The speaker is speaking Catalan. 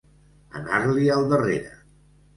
Anar-li al darrere.